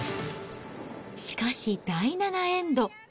しかし第７エンド。